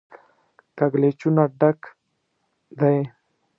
کږلېچونو ډک دی.